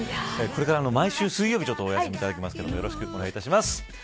これから毎週水曜日お休みをいただきますがよろしくお願いします。